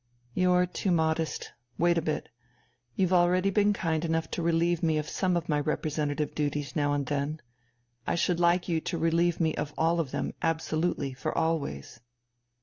"You're too modest. Wait a bit. You've already been kind enough to relieve me of some of my representative duties now and then. I should like you to relieve me of all of them absolutely, for always."